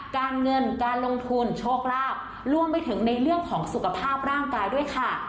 การเงินการลงทุนโชคลาภรวมไปถึงในเรื่องของสุขภาพร่างกายด้วยค่ะ